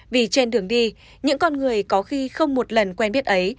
vì trên đường đi những con người có khi không một lần quen biết ấy